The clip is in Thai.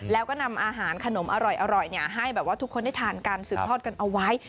แล้วก็นำอาหารขนมอร่อยให้แบบว่าทุกคนได้ทานกันสืบทอดกันเอาไว้